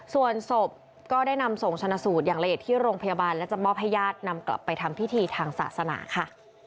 ส่วนศพก็ได้นำส่งชนะสูตรอย่างละเอียดที่โรงพยาบาลและจะมอบให้ญาตินำกลับไปทำพิธีทางศาสนาค่ะ